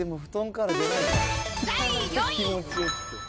第４位。